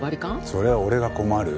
それは俺が困る。